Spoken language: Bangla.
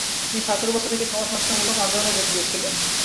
তিনি ছাত্র অবস্থা থেকেই সমাজসংস্কারমূলক আন্দোলনে যোগ দিয়েছিলেন।